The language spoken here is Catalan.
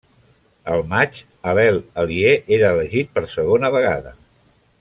El maig Abel Alier era elegit per segona vegada.